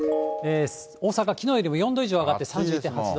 大阪、きのうよりも４度以上上がって３１．８度。